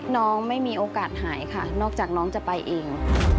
น้องไม่มีโอกาสหายค่ะนอกจากน้องจะไปเอง